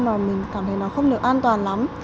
mà mình cảm thấy nó không được an toàn lắm